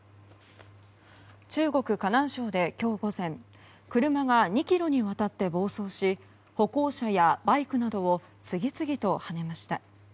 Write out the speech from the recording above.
中国・河南省で今日午前車が２ｋｍにわたって暴走し歩行者やバイクなどを次々とはねました。